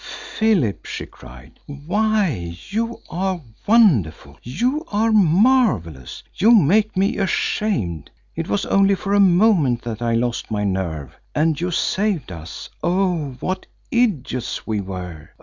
"Philip!" she cried. "Why, you are wonderful! You are marvellous! You make me ashamed. It was only for a moment that I lost my nerve, and you saved us. Oh, what idiots we were!